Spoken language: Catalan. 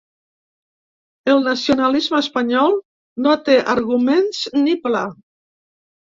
El nacionalisme espanyol no té arguments ni pla.